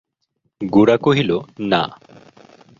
গোরা কহিল, না।